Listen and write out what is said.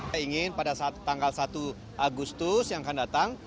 saya ingin pada saat tanggal satu agustus yang akan datang